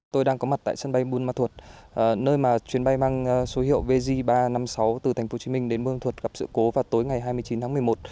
tôi đang có mặt tại sân bay bôn ma thuột nơi mà chuyến bay mang số hiệu vj ba trăm năm mươi sáu từ thành phố hồ chí minh đến bôn ma thuột gặp sự cố vào tối ngày hai mươi chín tháng một mươi một